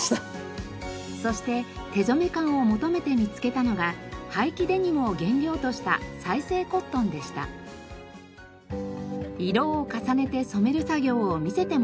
そして手染め感を求めて見つけたのが廃棄デニムを原料とした色を重ねて染める作業を見せてもらいました。